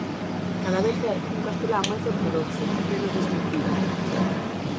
Cada vez é un castelán máis ortodoxo, menos distintivo.